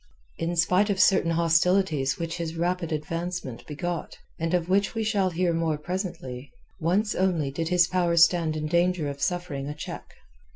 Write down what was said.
In spite of certain hostilities which his rapid advancement begot, and of which we shall hear more presently, once only did his power stand in danger of suffering a check.